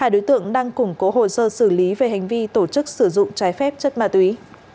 hai đối tượng đang củng cố hồ sơ xử lý về hành vi tổ chức sử dụng trái phép chất ma túy